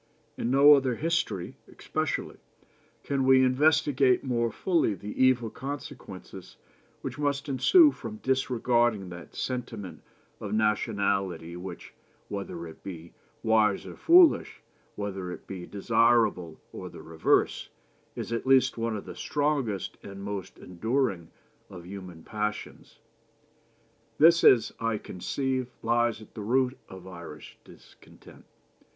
In no other history especially can we investigate more fully the evil consequences which must ensue from disregarding that sentiment of nationality which, whether it be wise or foolish, whether it be desirable or the reverse, is at least one of the strongest and most enduring of human passions. This, as I conceive, lies at the root of Irish discontent.